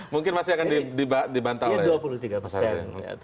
mungkin masih akan dibantah